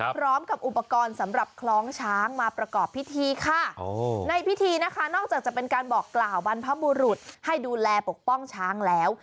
พร้อมกับอุปกรณ์สำหรับคล้องช้างมาประกอบพิธีค่ะในพิธีนะคะนอกจากจะเป็นการบอกกล่าวบรรพบุรุษให้ดูแลปกป้องช้างแล้ว